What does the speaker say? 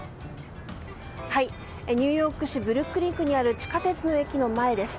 ニューヨーク市ブルックリン区にある地下鉄の駅の前です。